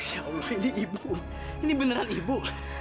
ya ampun ini ibu ini beneran ibu